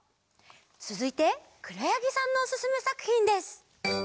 つづいてくろやぎさんのおすすめさくひんです。